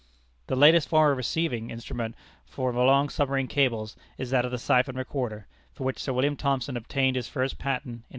The latest form of receiving instrument for long submarine cables, is that of the Siphon Recorder, for which Sir William Thomson obtained his first patent in 1867.